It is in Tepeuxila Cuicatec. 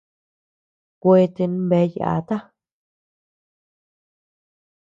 Kueten bea yáta.